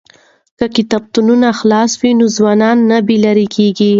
که کتابتونونه خلاص وي نو ځوانان نه بې لارې کیږي.